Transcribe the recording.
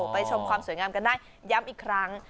ไปชมความสวยงามกันได้ย้ำอีกครั้ง